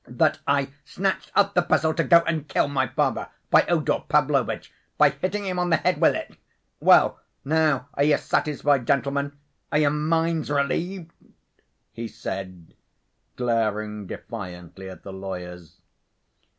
'that I snatched up the pestle to go and kill my father ... Fyodor Pavlovitch ... by hitting him on the head with it!' Well, now are you satisfied, gentlemen? Are your minds relieved?" he said, glaring defiantly at the lawyers.